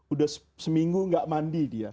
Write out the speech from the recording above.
udah seminggu gak mandi dia